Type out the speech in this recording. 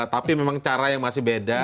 tapi memang cara yang masih beda